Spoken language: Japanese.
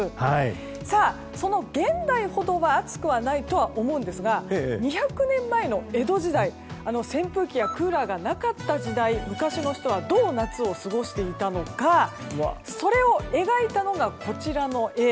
その現代ほどは暑くはないと思うんですが２００年前の江戸時代扇風機やクーラーがなかった時代昔の人はどう夏を過ごしていたのかそれを描いたのがこちらの絵。